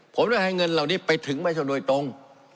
ผมได้ให้เงินเหล่านี้ไปถึงประชาชนโดยตรง